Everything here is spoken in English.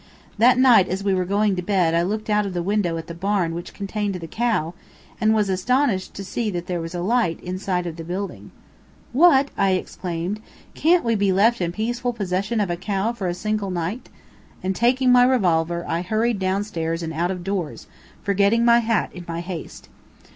That night as we were going to bed I looked out of the window at the barn which contained the cow, and was astonished to see that there was a light inside of the building. "What!" I exclaimed. "Can't we be left in peaceful possession of a cow for a single night?" And, taking my revolver, I hurried down stairs and out of doors, forgetting my hat in my haste.